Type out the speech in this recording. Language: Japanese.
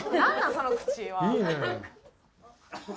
その口は。